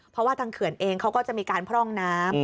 เพราะว่าทางเขื่อนเองเขาก็จะมีการพร่องน้ำ